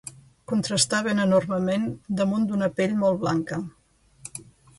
Contrastaven enormement damunt d’una pell molt blanca.